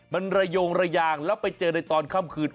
มันระโยงระยางแล้วไปเจอในตอนค่ำคืน